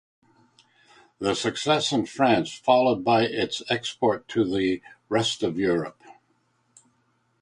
The success in France followed by its export to the rest of Europe.